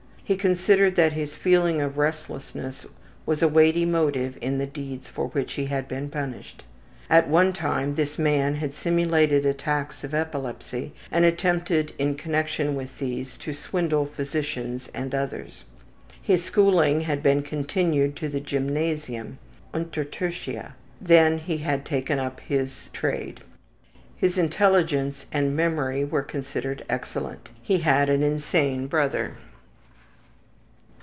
He considered that his feeling of restlessness was a weighty motive in the deeds for which he had been punished. At one time this man had simulated attacks of epilepsy and attempted in connection with these to swindle physicians and others. His schooling had been continued to the gymnasium, ``untertertia,'' then he had taken up his trade. His intelligence and memory were considered excellent. He had an insane brother.